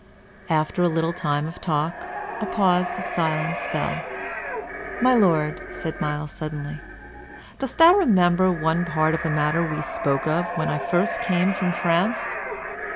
After a little time of talk, a pause of silence fell. "My Lord," said Myles, suddenly, "dost thou remember one part of a matter we spoke of when I first came from France?"